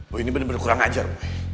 boy ini bener bener kurang ajar